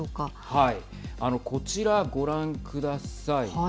はい、こちらご覧ください。